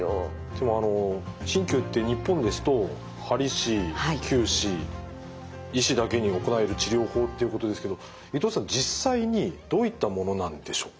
でも鍼灸って日本ですと鍼師灸師医師だけに行える治療法っていうことですけど伊藤さん実際にどういったものなんでしょうか？